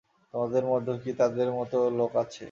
তোমাদের মধ্যেও কি তাদের মত লোক আছে?